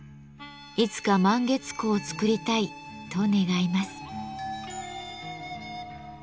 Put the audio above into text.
「いつか満月壺を作りたい」と願います。